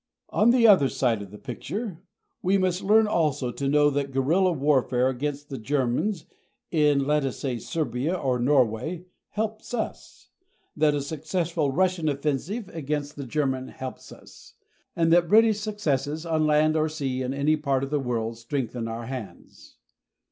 On the other side of the picture, we must learn also to know that guerrilla warfare against the Germans in, let us say Serbia or Norway, helps us; that a successful Russian offensive against the Germans helps us; and that British successes on land or sea in any part of the world strengthen our hands.